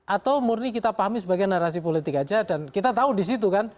atau murni kita pahami sebagai narasi politik saja dan kita tahu di situ kan